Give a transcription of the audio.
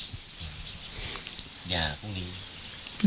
อย่าพรุ่งนี้